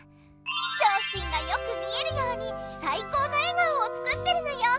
しょうひんがよく見えるようにさいこうの笑顔を作ってるのよ。